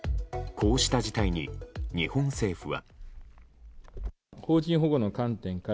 こうした事態に日本政府は。